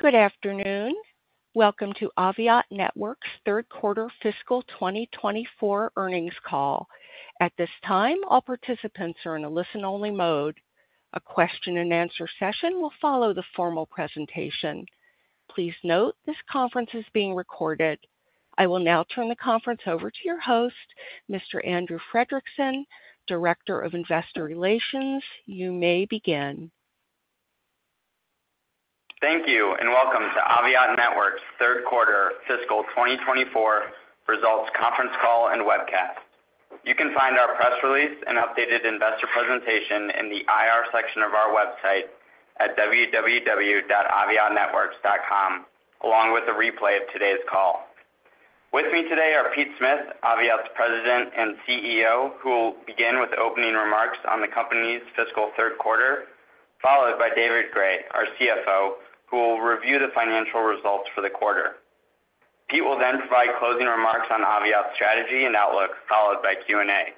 Good afternoon. Welcome to Aviat Networks' Third Quarter Fiscal 2024 Earnings Call. At this time, all participants are in a listen-only mode. A Q&A session will follow the formal presentation. Please note this conference is being recorded. I will now turn the conference over to your host, Mr. Andrew Fredrickson, Director of Investor Relations. You may begin. Thank you, and welcome to Aviat Networks' Third Quarter Fiscal 2024 Results Conference Call and Webcast. You can find our press release and updated investor presentation in the IR section of our website at www.aviatnetworks.com, along with a replay of today's call. With me today are Pete Smith, Aviat's President and CEO, who will begin with opening remarks on the company's fiscal third quarter, followed by David Gray, our CFO, who will review the financial results for the quarter. Pete will then provide closing remarks on Aviat's strategy and outlook, followed by Q&A.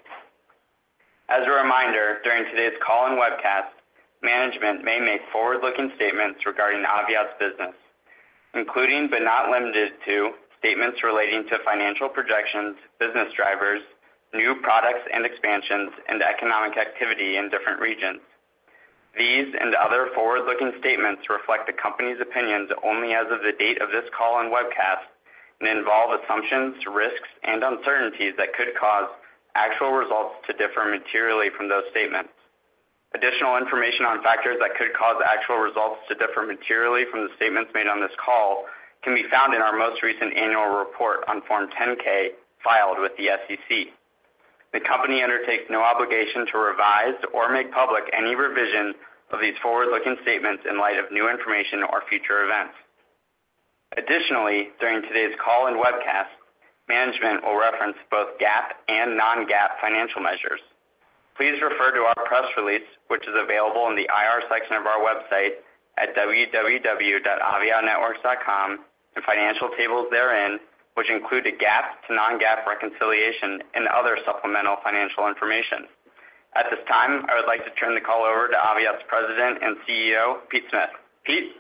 As a reminder, during today's call and webcast, management may make forward-looking statements regarding Aviat's business, including, but not limited to, statements relating to financial projections, business drivers, new products and expansions, and economic activity in different regions. These and other forward-looking statements reflect the company's opinions only as of the date of this call and webcast and involve assumptions, risks, and uncertainties that could cause actual results to differ materially from those statements. Additional information on factors that could cause actual results to differ materially from the statements made on this call can be found in our most recent annual report on Form 10-K filed with the SEC. The company undertakes no obligation to revise or make public any revision of these forward-looking statements in light of new information or future events. Additionally, during today's call and webcast, management will reference both GAAP and non-GAAP financial measures. Please refer to our press release, which is available in the IR section of our website at www.aviatnetworks.com, and financial tables therein, which include a GAAP to non-GAAP reconciliation and other supplemental financial information. At this time, I would like to turn the call over to Aviat's President and CEO, Pete Smith. Pete?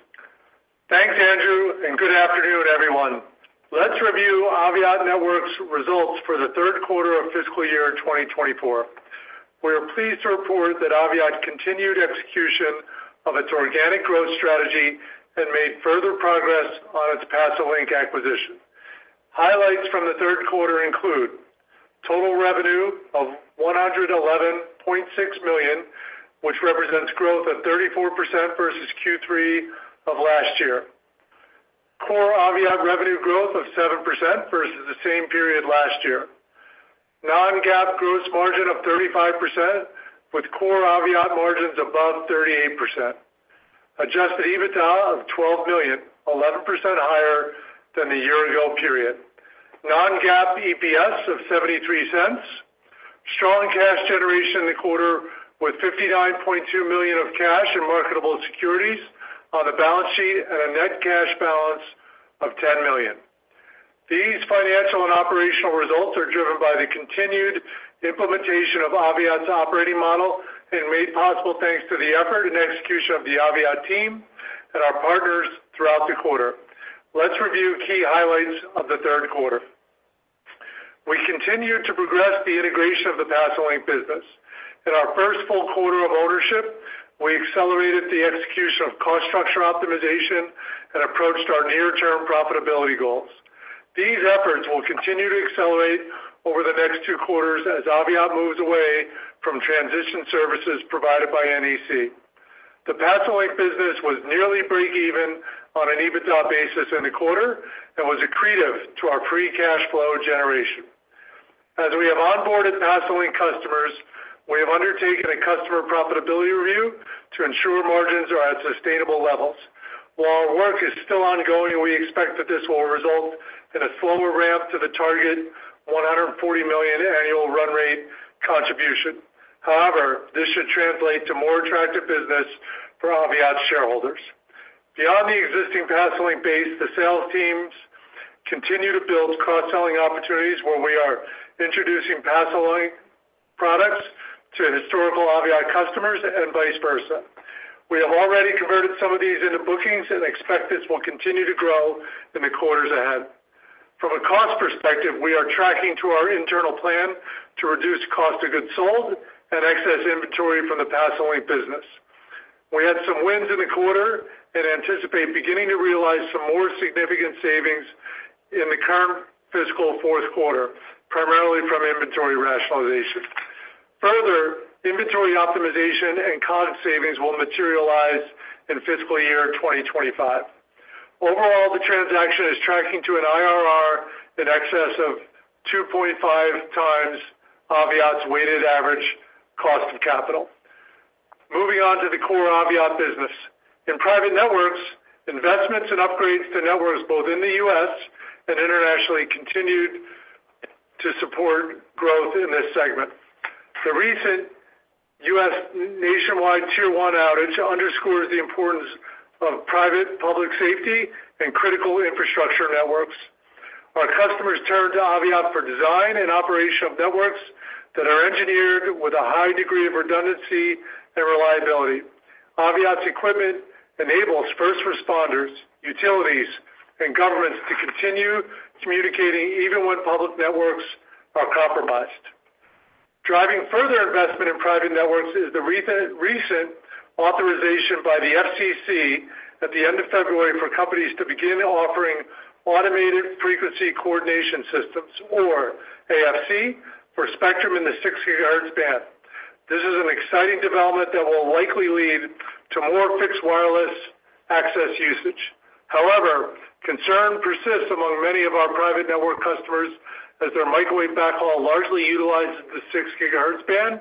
Thanks, Andrew, and good afternoon, everyone. Let's review Aviat Networks' results for the third quarter of fiscal year 2024. We are pleased to report that Aviat continued execution of its organic growth strategy and made further progress on its Pasolink acquisition. Highlights from the third quarter include total revenue of $111.6 million, which represents growth of 34% versus Q3 of last year. Core Aviat revenue growth of 7% versus the same period last year. Non-GAAP gross margin of 35%, with core Aviat margins above 38%. Adjusted EBITDA of $12 million, 11% higher than the year-ago period. Non-GAAP EPS of $0.73. Strong cash generation in the quarter, with $59.2 million of cash and marketable securities on the balance sheet and a net cash balance of $10 million. These financial and operational results are driven by the continued implementation of Aviat's operating model and made possible thanks to the effort and execution of the Aviat team and our partners throughout the quarter. Let's review key highlights of the third quarter. We continued to progress the integration of the Pasolink business. In our first full quarter of ownership, we accelerated the execution of cost structure optimization and approached our near-term profitability goals. These efforts will continue to accelerate over the next two quarters as Aviat moves away from transition services provided by NEC. The Pasolink business was nearly breakeven on an EBITDA basis in the quarter and was accretive to our free cash flow generation. As we have onboarded Pasolink customers, we have undertaken a customer profitability review to ensure margins are at sustainable levels. While our work is still ongoing, we expect that this will result in a slower ramp to the target $140 million annual run rate contribution. However, this should translate to more attractive business for Aviat's shareholders. Beyond the existing Pasolink base, the sales teams continue to build cross-selling opportunities where we are introducing Pasolink products to historical Aviat customers and vice versa. We have already converted some of these into bookings and expect this will continue to grow in the quarters ahead. From a cost perspective, we are tracking to our internal plan to reduce cost of goods sold and excess inventory from the Pasolink business. We had some wins in the quarter and anticipate beginning to realize some more significant savings in the current fiscal fourth quarter, primarily from inventory rationalization. Further, inventory optimization and cost savings will materialize in fiscal year 2025. Overall, the transaction is tracking to an IRR in excess of 2.5 times Aviat's weighted average cost of capital. Moving on to the core Aviat business. In private networks, investments and upgrades to networks both in the U.S. and internationally continued to support growth in this segment. The recent U.S. nationwide Tier 1 outage underscores the importance of private public safety and critical infrastructure networks. Our customers turn to Aviat for design and operation of networks that are engineered with a high degree of redundancy and reliability. Aviat's equipment enables first responders, utilities, and governments to continue communicating even when public networks are compromised. Driving further investment in private networks is the recent authorization by the FCC at the end of February for companies to begin offering automated frequency coordination systems, or AFC, for spectrum in the 6 GHz band. This is an exciting development that will likely lead to more fixed wireless access usage. However, concern persists among many of our private network customers as their microwave backhaul largely utilizes the 6 GHz band,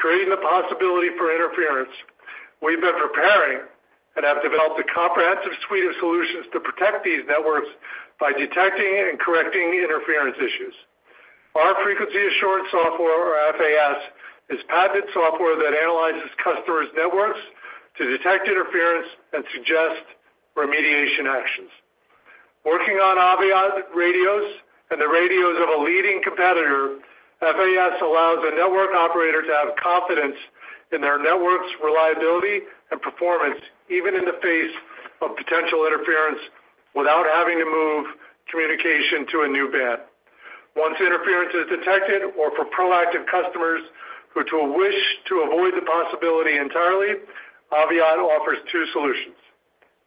creating the possibility for interference. We've been preparing and have developed a comprehensive suite of solutions to protect these networks by detecting and correcting interference issues. Our Frequency Assurance Software, or FAS, is patent software that analyzes customers' networks to detect interference and suggest remediation actions. Working on Aviat radios and the radios of a leading competitor, FAS allows the network operator to have confidence in their network's reliability and performance, even in the face of potential interference, without having to move communication to a new band. Once interference is detected, or for proactive customers who wish to avoid the possibility entirely, Aviat offers two solutions.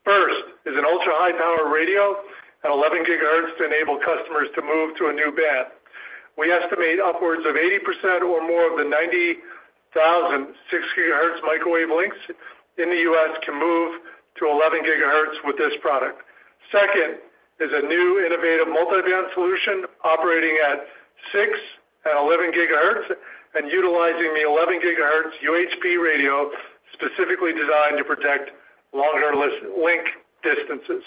First, is an ultra-high power radio at 11 GHz to enable customers to move to a new band. We estimate upwards of 80% or more of the 90,000 6 GHz microwave links in the U.S. can move to 11 GHz with this product. Second, is a new innovative multi-band solution operating at 6 and 11 GHz and utilizing the 11 GHz UHP radio, specifically designed to protect longer link distances.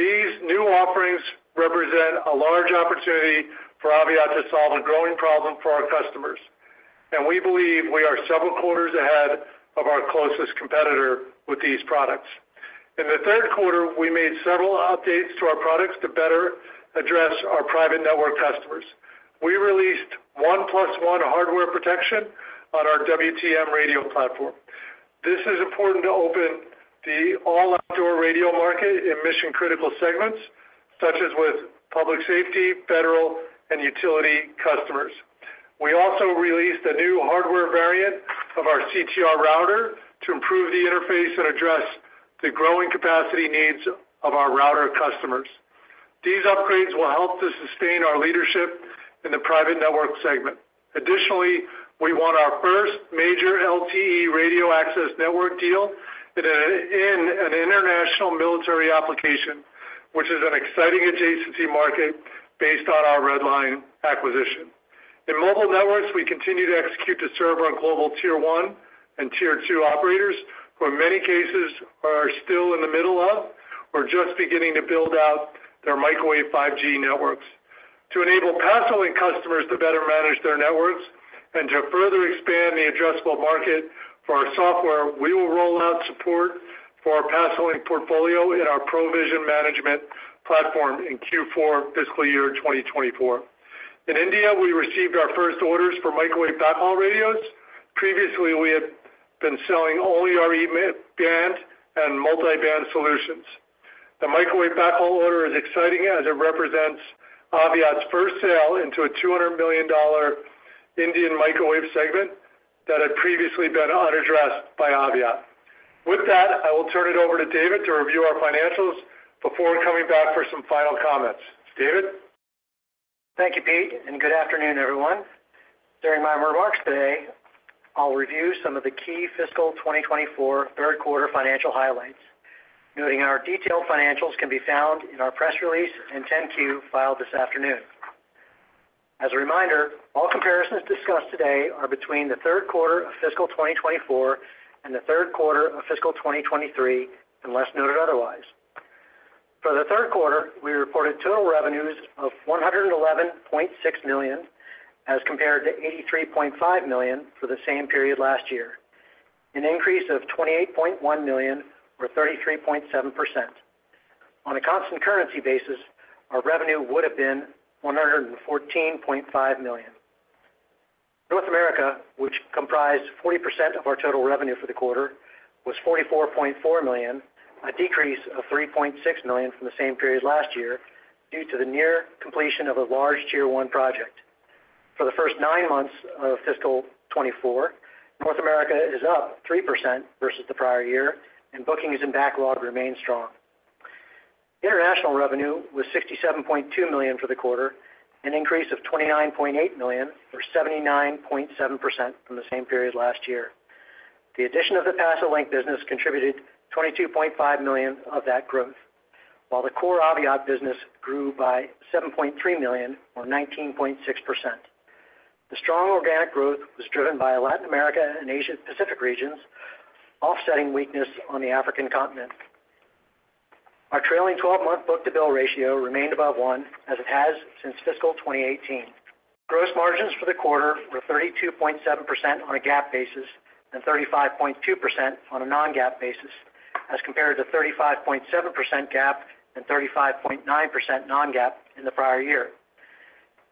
These new offerings represent a large opportunity for Aviat to solve a growing problem for our customers, and we believe we are several quarters ahead of our closest competitor with these products. In the third quarter, we made several updates to our products to better address our private network customers. We released 1+1 hardware protection on our WTM radio platform. This is important to open the all-outdoor radio market in mission-critical segments, such as with public safety, federal, and utility customers. We also released a new hardware variant of our CTR router to improve the interface and address the growing capacity needs of our router customers. These upgrades will help to sustain our leadership in the private network segment. Additionally, we won our first major LTE radio access network deal in an international military application, which is an exciting adjacency market based on our Redline acquisition. In mobile networks, we continue to execute to serve our global Tier 1 and Tier 2 operators, who in many cases are still in the middle of or just beginning to build out their microwave 5G networks. To enable Pasolink customers to better manage their networks and to further expand the addressable market for our software, we will roll out support for our Pasolink portfolio in our ProVision management platform in Q4 fiscal year 2024. In India, we received our first orders for microwave backhaul radios. Previously, we had been selling only our E-band and multiband solutions. The microwave backhaul order is exciting as it represents Aviat's first sale into a $200 million Indian microwave segment that had previously been unaddressed by Aviat. With that, I will turn it over to David to review our financials before coming back for some final comments. David? Thank you, Pete, and good afternoon, everyone. During my remarks today, I'll review some of the key fiscal 2024 third quarter financial highlights, noting our detailed financials can be found in our press release and 10-Q filed this afternoon. As a reminder, all comparisons discussed today are between the third quarter of fiscal 2024 and the third quarter of fiscal 2023, unless noted otherwise. For the third quarter, we reported total revenues of $111.6 million, as compared to $83.5 million for the same period last year, an increase of $28.1 million, or 33.7%. On a constant currency basis, our revenue would have been $114.5 million. North America, which comprised 40% of our total revenue for the quarter, was $44.4 million, a decrease of $3.6 million from the same period last year, due to the near completion of a large Tier 1 project. For the first nine months of fiscal 2024, North America is up 3% versus the prior year, and bookings and backlog remain strong. International revenue was $67.2 million for the quarter, an increase of $29.8 million, or 79.7% from the same period last year. The addition of the Pasolink business contributed $22.5 million of that growth, while the core Aviat business grew by $7.3 million, or 19.6%. The strong organic growth was driven by Latin America and Asia Pacific regions, offsetting weakness on the African continent. Our trailing twelve-month book-to-bill ratio remained above 1, as it has since fiscal 2018. Gross margins for the quarter were 32.7% on a GAAP basis and 35.2% on a non-GAAP basis, as compared to 35.7% GAAP and 35.9% non-GAAP in the prior year.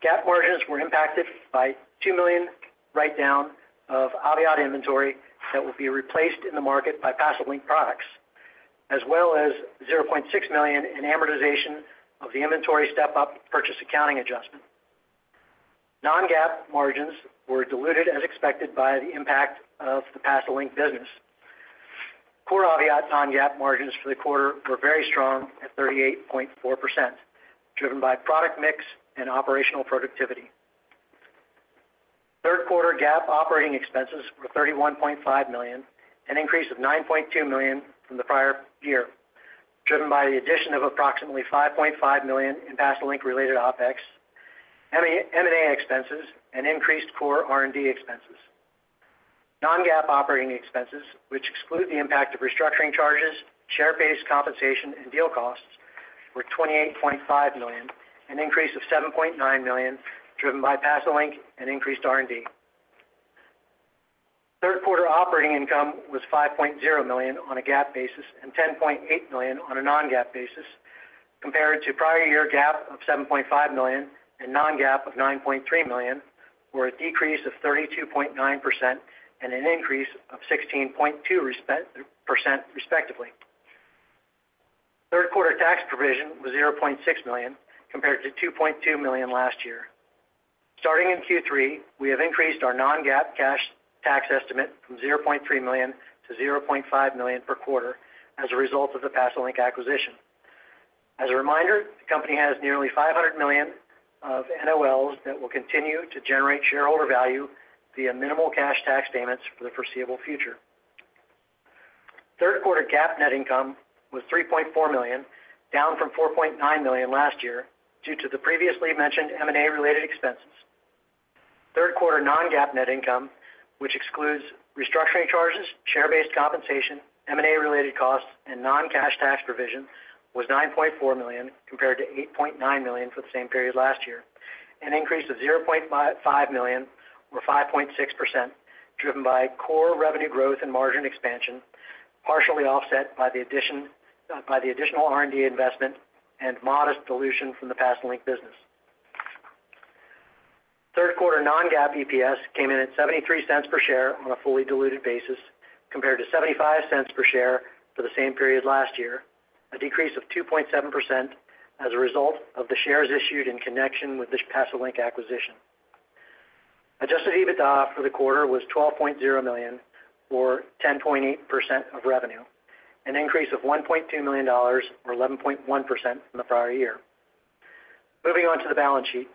GAAP margins were impacted by $2 million write-down of Aviat inventory that will be replaced in the market by Pasolink products, as well as $0.6 million in amortization of the inventory step-up purchase accounting adjustment. Non-GAAP margins were diluted as expected by the impact of the Pasolink business. Core Aviat non-GAAP margins for the quarter were very strong at 38.4%, driven by product mix and operational productivity. Third quarter GAAP operating expenses were $31.5 million, an increase of $9.2 million from the prior year, driven by the addition of approximately $5.5 million in Pasolink-related OpEx, M&A expenses, and increased core R&D expenses. Non-GAAP operating expenses, which exclude the impact of restructuring charges, share-based compensation, and deal costs, were $28.5 million, an increase of $7.9 million, driven by Pasolink and increased R&D. Third quarter operating income was $5.0 million on a GAAP basis and $10.8 million on a non-GAAP basis, compared to prior year GAAP of $7.5 million and non-GAAP of $9.3 million, or a decrease of 32.9% and an increase of 16.2%, respectively. Third quarter tax provision was $0.6 million, compared to $2.2 million last year. Starting in Q3, we have increased our non-GAAP cash tax estimate from $0.3 million to $0.5 million per quarter as a result of the Pasolink acquisition. As a reminder, the company has nearly 500 million of NOLs that will continue to generate shareholder value via minimal cash tax payments for the foreseeable future. Third quarter GAAP net income was $3.4 million, down from $4.9 million last year due to the previously mentioned M&A-related expenses. Third quarter non-GAAP net income, which excludes restructuring charges, share-based compensation, M&A-related costs, and non-cash tax provisions, was $9.4 million, compared to $8.9 million for the same period last year, an increase of $0.55 million, or 5.6%, driven by core revenue growth and margin expansion, partially offset by the additional R&D investment and modest dilution from the Pasolink business. Third quarter non-GAAP EPS came in at $0.73 per share on a fully diluted basis, compared to $0.75 per share for the same period last year, a decrease of 2.7% as a result of the shares issued in connection with this Pasolink acquisition. Adjusted EBITDA for the quarter was $12.0 million, or 10.8% of revenue, an increase of $1.2 million, or 11.1% from the prior year. Moving on to the balance sheet.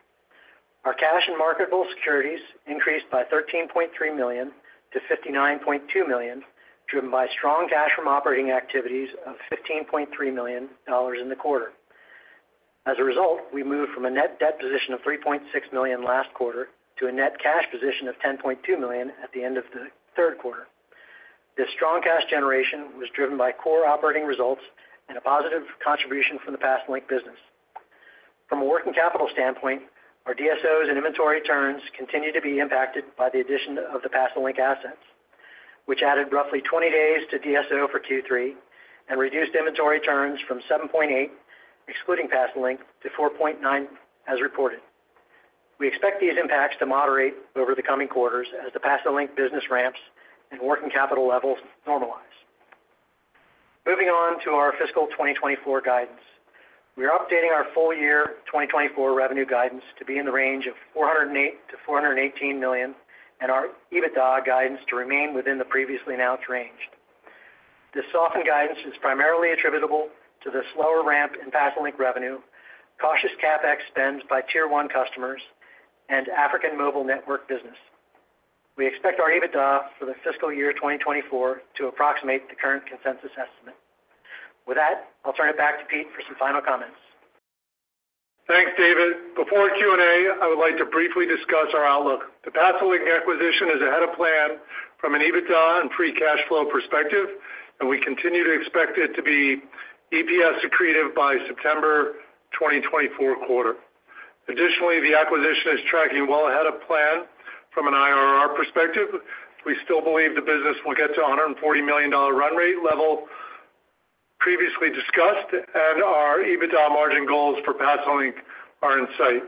Our cash and marketable securities increased by $13.3 million to $59.2 million, driven by strong cash from operating activities of $15.3 million in the quarter. As a result, we moved from a net debt position of $3.6 million last quarter to a net cash position of $10.2 million at the end of the third quarter. This strong cash generation was driven by core operating results and a positive contribution from the Pasolink business. From a working capital standpoint, our DSOs and inventory turns continue to be impacted by the addition of the Pasolink assets, which added roughly 20 days to DSO for Q3 and reduced inventory turns from 7.8, excluding Pasolink, to 4.9, as reported. We expect these impacts to moderate over the coming quarters as the Pasolink business ramps and working capital levels normalize. Moving on to our fiscal 2024 guidance. We are updating our full year 2024 revenue guidance to be in the range of $408 million-$418 million, and our EBITDA guidance to remain within the previously announced range. This softened guidance is primarily attributable to the slower ramp in Pasolink revenue, cautious CapEx spends by Tier 1 customers, and African mobile network business. We expect our EBITDA for the fiscal year 2024 to approximate the current consensus estimate. With that, I'll turn it back to Pete for some final comments. Thanks, David. Before Q&A, I would like to briefly discuss our outlook. The Pasolink acquisition is ahead of plan from an EBITDA and free cash flow perspective, and we continue to expect it to be EPS accretive by September 2024 quarter. Additionally, the acquisition is tracking well ahead of plan from an IRR perspective. We still believe the business will get to a $140 million run rate level previously discussed, and our EBITDA margin goals for Pasolink are in sight.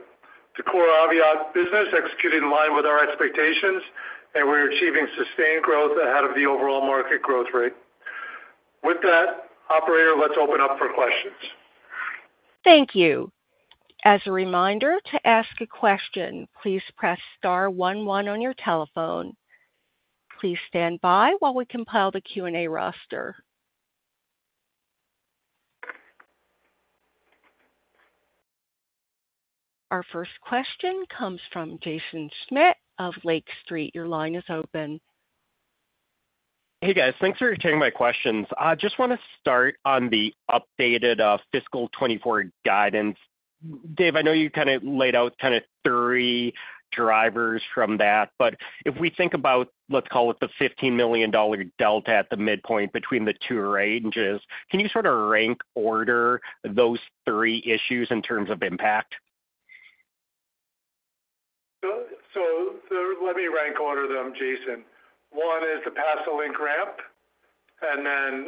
The core Aviat business executed in line with our expectations, and we're achieving sustained growth ahead of the overall market growth rate. With that, operator, let's open up for questions. Thank you. As a reminder, to ask a question, please press star one one on your telephone. Please stand by while we compile the Q&A roster. Our first question comes from Jaeson Schmidt of Lake Street. Your line is open. Hey, guys. Thanks for taking my questions. I just want to start on the updated fiscal 2024 guidance. Dave, I know you kind of laid out kind of three drivers from that, but if we think about, let's call it the $15 million delta at the midpoint between the two ranges, can you sort of rank order those three issues in terms of impact? Let me rank order them, Jaeson. One is the Pasolink ramp, and then,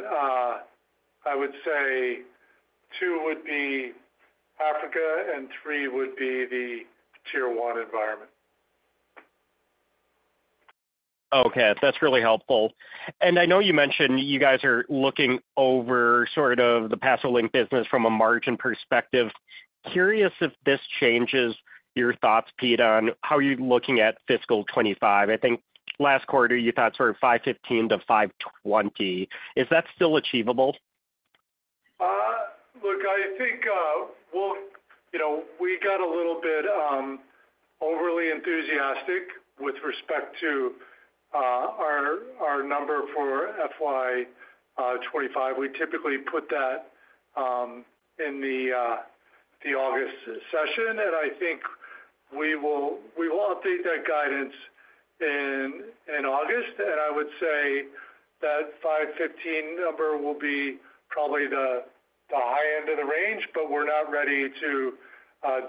I would say two would be Africa, and three would be the Tier 1 environment. Okay, that's really helpful. And I know you mentioned you guys are looking over sort of the Pasolink business from a margin perspective. Curious if this changes your thoughts, Pete, on how you're looking at fiscal 2025. I think last quarter you thought sort of $515 million-$520 million. Is that still achievable? Look, I think we'll, you know, we got a little bit overly enthusiastic with respect to our our number for FY 25. We typically put that in the the August session, and I think we will we will update that guidance in in August. I would say that $515 number will be probably the the high end of the range, but we're not ready to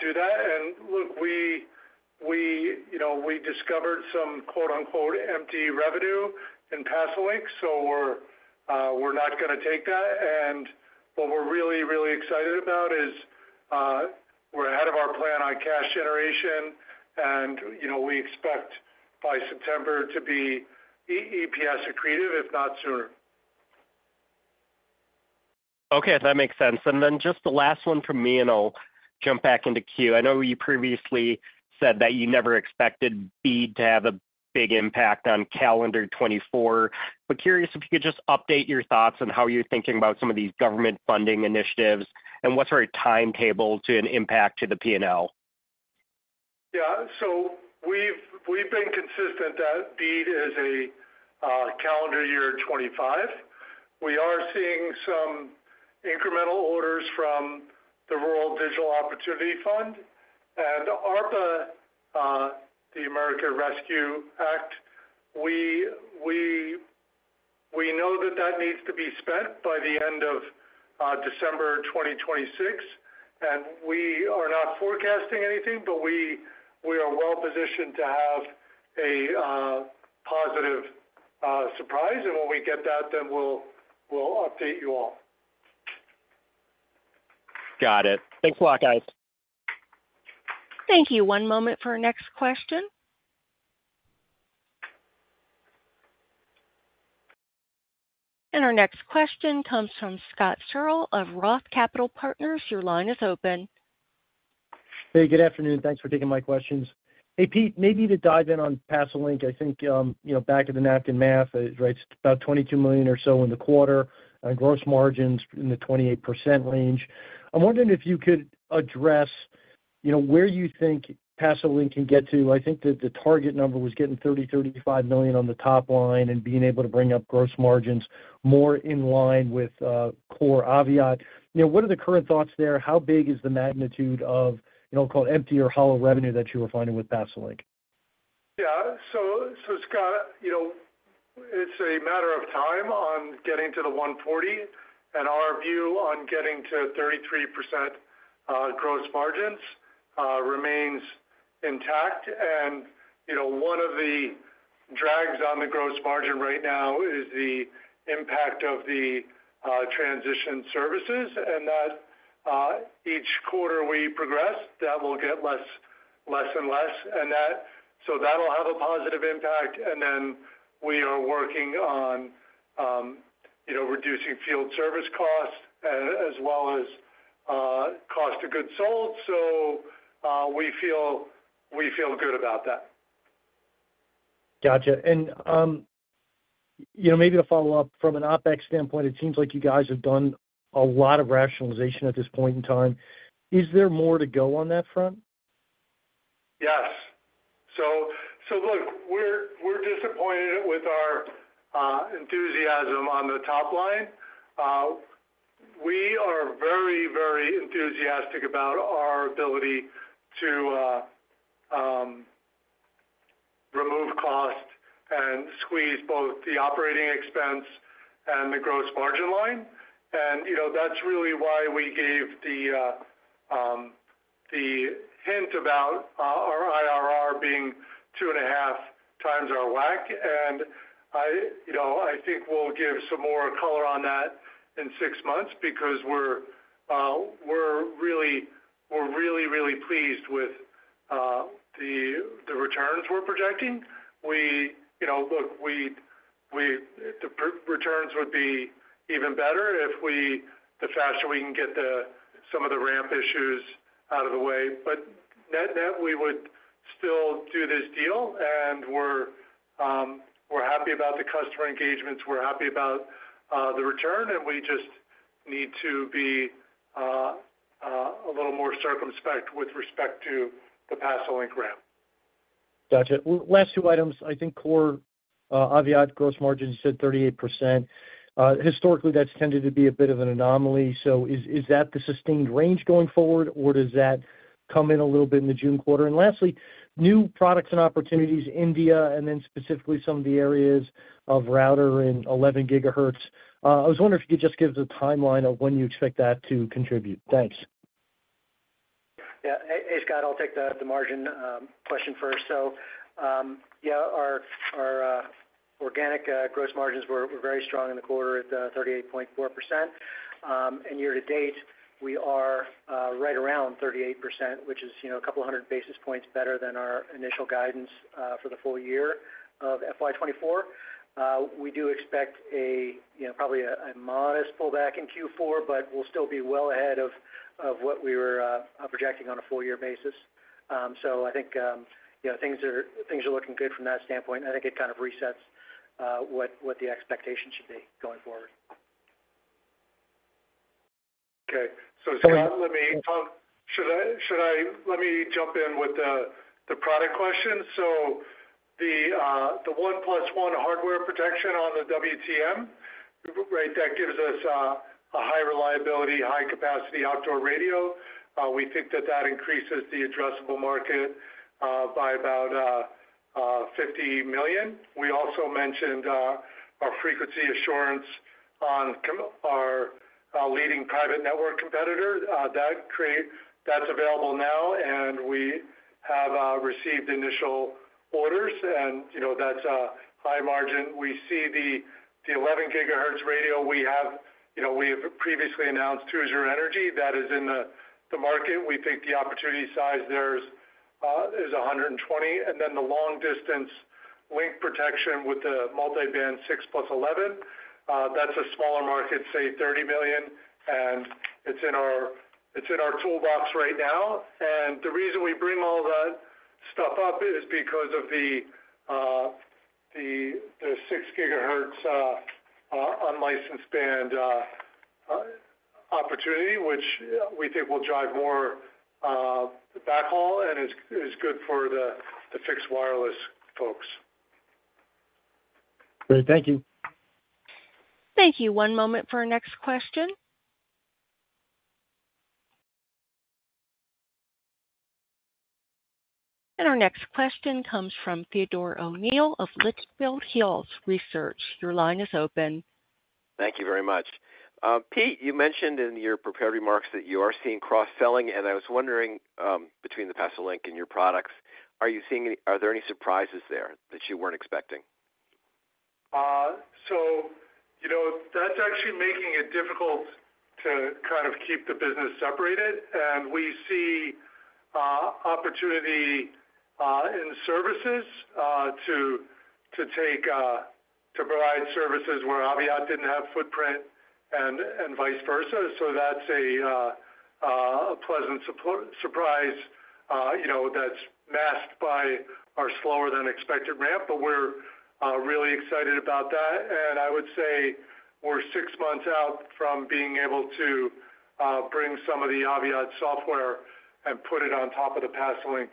do that. Look, we we you know we discovered some, quote unquote, empty revenue in Pasolink, so we're we're not gonna take that. And what we're really really excited about is we're ahead of our plan on cash generation, and you know we expect by September to be EPS accretive, if not sooner. Okay, that makes sense. And then just the last one from me, and I'll jump back into queue. I know you previously said that you never expected BEAD to have a big impact on calendar 2024. But curious if you could just update your thoughts on how you're thinking about some of these government funding initiatives and what's our timetable to an impact to the PNL? Yeah. So we've been consistent that BEAD is a calendar year 2025. We are seeing some incremental orders from the Rural Digital Opportunity Fund and ARPA, the American Rescue Act. We we we know that that needs to be spent by the end of December 2026, and we are not forecasting anything, but we, we are well positioned to have a positive surprise. And when we get that, then we'll, we'll update you all. Got it. Thanks a lot, guys. Thank you. One moment for our next question. Our next question comes from Scott Searle of Roth Capital Partners. Your line is open. Hey, good afternoon. Thanks for taking my questions. Hey, Pete, maybe to dive in on Pasolink, I think, you know, back of the napkin math, right, it's about $22 million or so in the quarter, and gross margins in the 28% range. I'm wondering if you could address, you know, where you think Pasolink can get to. I think that the target number was getting $30-$35 million on the top line and being able to bring up gross margins more in line with, core Aviat. You know, what are the current thoughts there? How big is the magnitude of, you know, call it, empty or hollow revenue that you were finding with Pasolink? Yeah. So, Scott, you know, it's a matter of time on getting to the $140, and our view on getting to 33% gross margins remains intact. And, you know, one of the drags on the gross margin right now is the impact of the transition services, and that each quarter we progress, that will get less, less and less, and so that'll have a positive impact. And then we are working on, you know, reducing field service costs as well as cost of goods sold. So, we feel, we feel good about that. Gotcha. And, you know, maybe to follow up, from an OpEx standpoint, it seems like you guys have done a lot of rationalization at this point in time. Is there more to go on that front? Yes. So so look, we're disappointed with our enthusiasm on the top line. We are very, very enthusiastic about our ability to remove cost and squeeze both the operating expense and the gross margin line. And, you know, that's really why we gave the the hint about our IRR being 2.5x our WACC. And I, you know, I think we'll give some more color on that in six months because we're we're really, we're really, really pleased with the returns we're projecting. You know, look, the returns would be even better if the faster we can get some of the ramp issues out of the way. But net, net, we would still do this deal, and we're, we're happy about the customer engagements, we're happy about the return, and we just need to be a little more circumspect with respect to the Pasolink ramp. Gotcha. Well, last two items. I think core, Aviat gross margin said 38%. Historically, that's tended to be a bit of an anomaly. So is, is that the sustained range going forward, or does that come in a little bit in the June quarter? And lastly, new products and opportunities, India, and then specifically some of the areas of router and 11 GHz. I was wondering if you could just give us a timeline of when you expect that to contribute. Thanks. Yeah. Hey, hey, Scott, I'll take the margin question first. So, yeah, our organic gross margins were very strong in the quarter at 38.4%. And year to date, we are right around 38%, which is, you know, a couple of hundred basis points better than our initial guidance for the full year of FY 2024. We do expect, you know, probably a modest pullback in Q4, but we'll still be well ahead of what we were projecting on a full year basis. So I think, you know, things are looking good from that standpoint, and I think it kind of resets what the expectation should be going forward. Okay. So, Scott, let me jump in with the product question. So the 1+1 hardware protection on the WTM, right, that gives us a high reliability, high capacity outdoor radio. We think that increases the addressable market by about $50 million. We also mentioned our frequency assurance on our leading private network competitor that create. That's available now, and we have received initial orders, and, you know, that's a high margin. We see the 11 GHz radio we have, you know, we have previously announced Tucson Electric, that is in the market. We think the opportunity size there is $120 million. Then the long distance link protection with the multiband 6 + 11, that's a smaller market, say $30 million, and it's in our, it's in our toolbox right now. And the reason we bring all that stuff up is because of the 6 GHz unlicensed band opportunity, which we think will drive more backhaul and is good for the fixed wireless folks. Great. Thank you. Thank you. One moment for our next question. Our next question comes from Theodore O'Neill of Litchfield Hills Research. Your line is open. Thank you very much. Pete, you mentioned in your prepared remarks that you are seeing cross-selling, and I was wondering, between the Pasolink and your products, are there any surprises there that you weren't expecting? So, you know, that's actually making it difficult to kind of keep the business separated. And we see opportunity in services to take, to provide services where Aviat didn't have footprint and vice versa. So that's a pleasant surprise, you know, that's masked by our slower than expected ramp, but we're really excited about that. And I would say we're six months out from being able to bring some of the Aviat software and put it on top of the Pasolink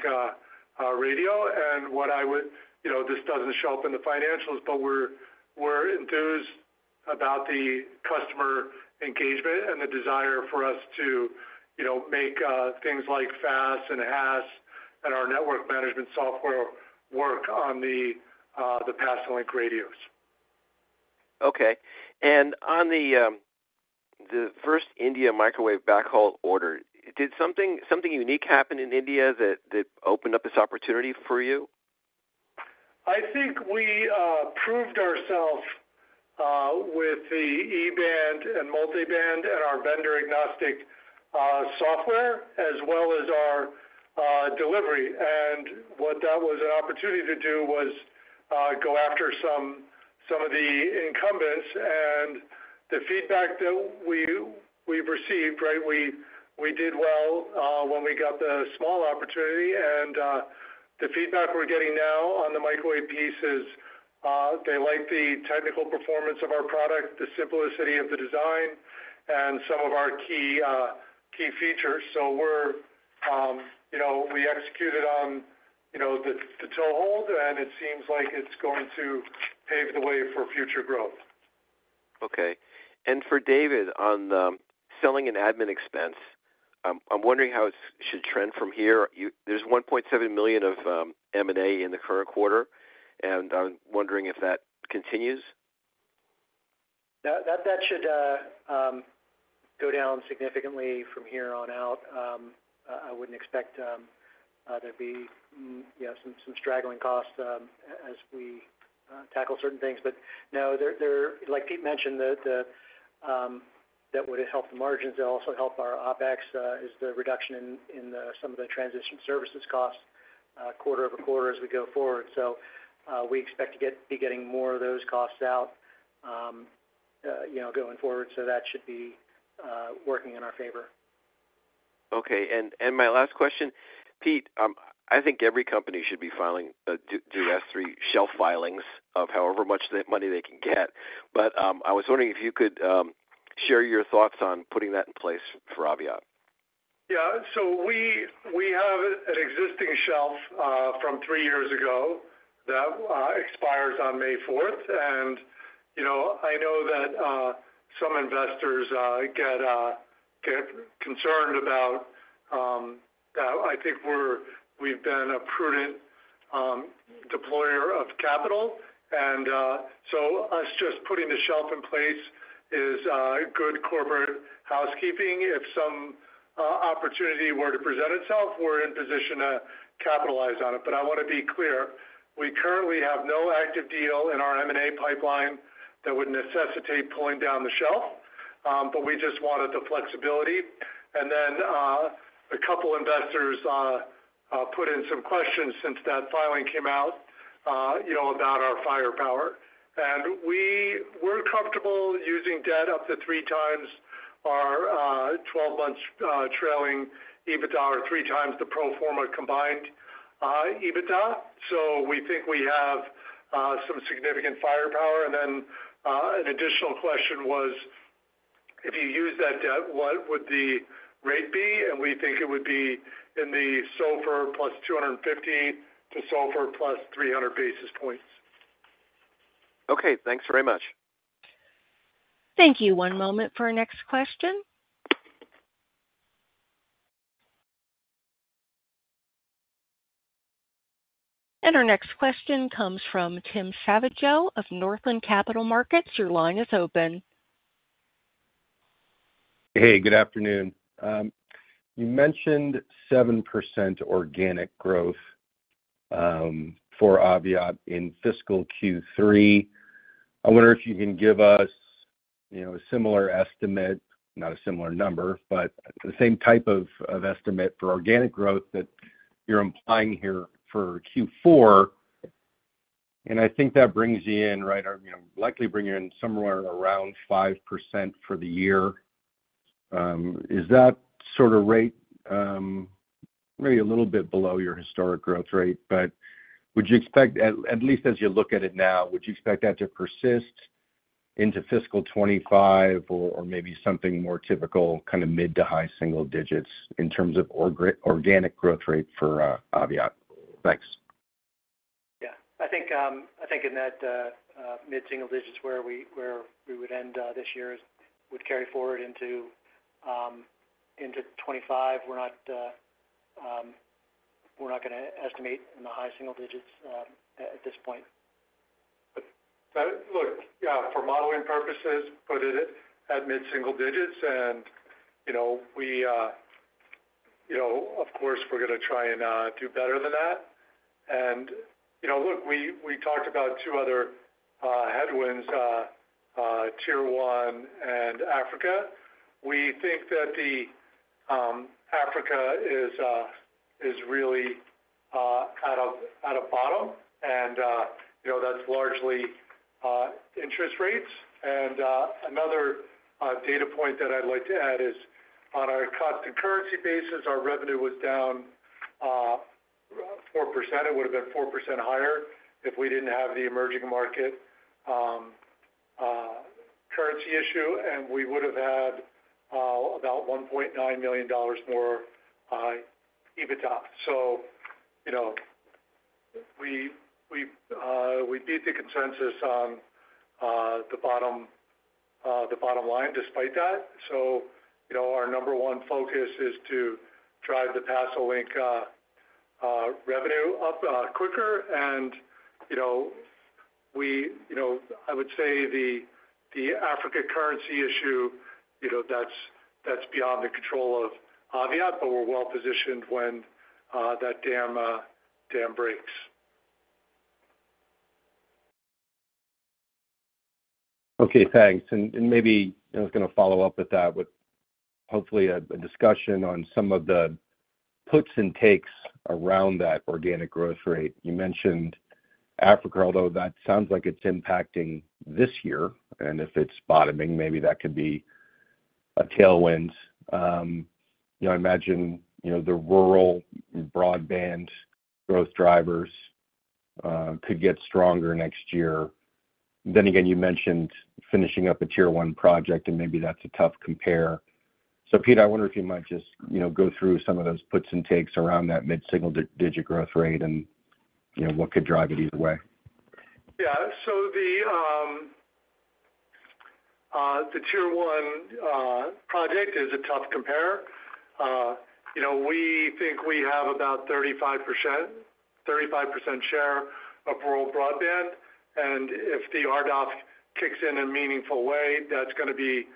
radio. And what I would, you know, this doesn't show up in the financials, but we're enthused about the customer engagement and the desire for us to, you know, make things like FAS and HAS and our network management software work on the Pasolink radios. Okay. And on the first India microwave backhaul order, did something, something unique happen in India that opened up this opportunity for you? I think we proved ourselves with the E-band and multiband and our vendor agnostic software, as well as our delivery. And what that was an opportunity to do was go after some of the incumbents. And the feedback that we've, we've received, right, we did well when we got the small opportunity, and the feedback we're getting now on the microwave piece is they like the technical performance of our product, the simplicity of the design, and some of our key features. So we're, you know, we executed on, you know, the toe hold, and it seems like it's going to pave the way for future growth. Okay. For David, on the selling and admin expense, I'm wondering how it should trend from here? You-- There's $1.7 million of M&A in the current quarter, and I'm wondering if that continues. That should go down significantly from here on out. I wouldn't expect there'd be you know some straggling costs as we tackle certain things. But no, like Pete mentioned, that would help the margins, it'll also help our OpEx, is the reduction in some of the transition services costs quarter-over-quarter as we go forward. So, we expect to be getting more of those costs out you know going forward, so that should be working in our favor. Okay. And my last question, Pete, I think every company should be filing two S-3 shelf filings of however much the money they can get. But, I was wondering if you could share your thoughts on putting that in place for Aviat. Yeah. So we, we have an existing shelf from three years ago that expires on May fourth. And, you know, I know that some investors get, get concerned about, I think we've been a prudent deployer of capital. And, so us just putting the shelf in place is good corporate housekeeping. If some opportunity were to present itself, we're in position to capitalize on it. But I want to be clear, we currently have no active deal in our M&A pipeline that would necessitate pulling down the shelf, but we just wanted the flexibility. And then, a couple investors put in some questions since that filing came out, you know, about our firepower. And we, we're comfortable using debt up to three times our 12 months trailing EBITDA, or three times the pro forma combined EBITDA. So we think we have some significant firepower. And then an additional question was, if you use that debt, what would the rate be? And we think it would be in the SOFR plus 250-300 basis points. Okay, thanks very much. Thank you. One moment for our next question. Our next question comes from Tim Savageaux of Northland Capital Markets. Your line is open. Hey, good afternoon. You mentioned 7% organic growth for Aviat in fiscal Q3. I wonder if you can give us, you know, a similar estimate, not a similar number, but the same type of estimate for organic growth that you're implying here for Q4. And I think that brings you in, right, or, you know, likely bring you in somewhere around 5% for the year. Is that sort of rate, maybe a little bit below your historic growth rate, but would you expect, at least as you look at it now, would you expect that to persist into fiscal 2025, or maybe something more typical, kind of mid- to high-single digits in terms of organic growth rate for Aviat? Thanks. Yeah, I think in that mid-single digits where we would end this year would carry forward into 2025. We're not gonna estimate in the high single digits at this point. But look, yeah, for modeling purposes, put it at mid-single digits, and, you know, we, you know, of course, we're gonna try and do better than that. And you know, look, we talked about two other headwinds, Tier 1 and Africa. We think that Africa is really at a bottom, and, you know, that's largely interest rates. Another data point that I'd like to add is, on our constant currency basis, our revenue was down 4%. It would have been 4% higher if we didn't have the emerging market currency issue, and we would've had about $1.9 million more EBITDA. So, you know, we we beat the consensus on the bottom, bottom line despite that. You know, our number one focus is to drive the Pasolink revenue up quicker. You know, we, you know, I would say the Africa currency issue, you know that's, that's beyond the control of Aviat, but we're well positioned when that dam breaks. Okay, thanks. And maybe I was gonna follow up with that with hopefully a discussion on some of the puts and takes around that organic growth rate. You mentioned Africa, although that sounds like it's impacting this year, and if it's bottoming, maybe that could be a tailwind. You know, I imagine, you know, the rural broadband growth drivers could get stronger next year. Then again, you mentioned finishing up a Tier 1 project, and maybe that's a tough compare. So Pete, I wonder if you might just, you know, go through some of those puts and takes around that mid-single-digit growth rate and, you know, what could drive it either way? Yeah. So the Tier 1 project is a tough compare. You know, we think we have about 35%, 35% share of rural broadband, and if the RDOF kicks in a meaningful way, that's gonna be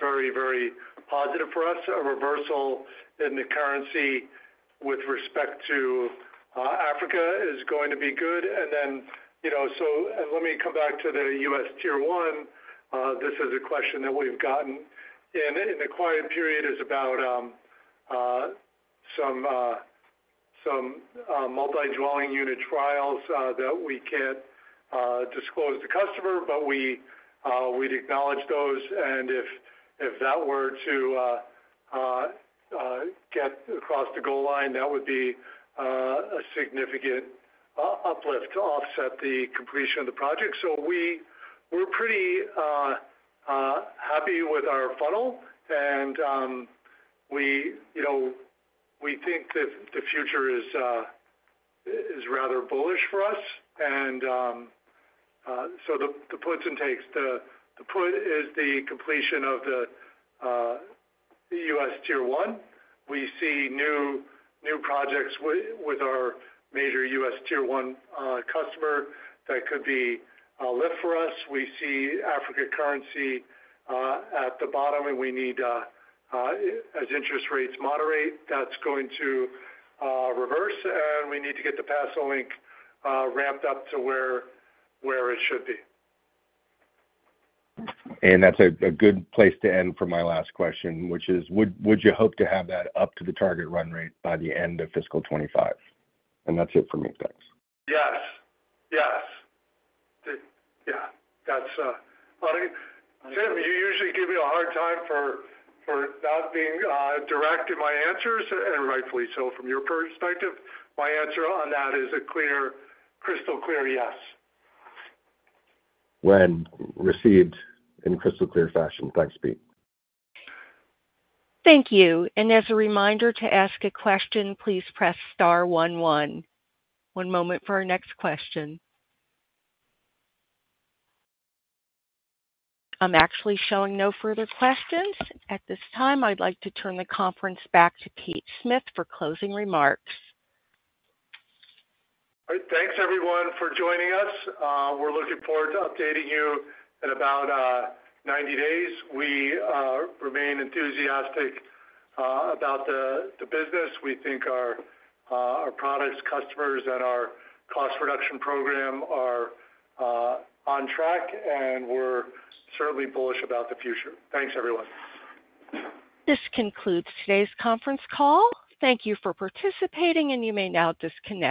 very, very positive for us. A reversal in the currency with respect to Africa is going to be good. And then, you know, so, and let me come back to the US Tier 1. This is a question that we've gotten, and in the quiet period is about some some multi-dwelling unit trials that we can't disclose the customer, but we, we'd acknowledge those. And if that were to get across the goal line, that would be a significant uplift to offset the completion of the project. So we, we're pretty happy with our funnel and, we, you know, we think that the future is rather bullish for us. And so the puts and takes, the put is the completion of the US Tier 1. We see new projects with our major US Tier 1 customer that could be a lift for us. We see Africa currency at the bottom, and we need, as interest rates moderate, that's going to reverse, and we need to get the Pasolink ramped up to where it should be. And that's a good place to end for my last question, which is: Would you hope to have that up to the target run rate by the end of fiscal 2025? And that's it for me. Thanks. Yes. Yes. Yeah, that's Tim, you usually give me a hard time for not being direct in my answers, and rightfully so from your perspective. My answer on that is a clear, crystal clear yes. Well, then, received in crystal clear fashion. Thanks, Pete. Thank you. And as a reminder to ask a question, please press star one one. One moment for our next question. I'm actually showing no further questions. At this time, I'd like to turn the conference back to Pete Smith for closing remarks. All right. Thanks, everyone, for joining us. We're looking forward to updating you in about 90 days. We remain enthusiastic about the business. We think our, our products, customers, and our cost reduction program are on track, and we're certainly bullish about the future. Thanks, everyone. This concludes today's conference call. Thank you for participating, and you may now disconnect.